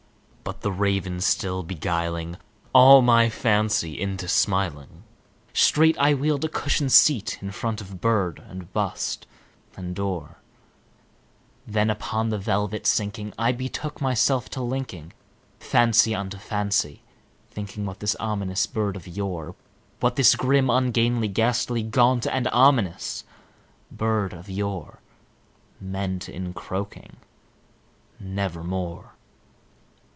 '" But the Raven still beguiling all my sad soul into smiling, Straight I wheeled a cushioned seat in front of bird and bust and door; Then, upon the velvet sinking, I betook myself to linking Fancy unto fancy, thinking what this ominous bird of yore What this grim, ungainly, ghastly, gaunt and ominous bird of yore Meant in croaking "Nevermore."